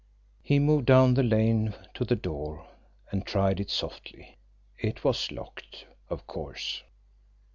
He moved down the lane to the door, and tried it softly. It was locked, of course.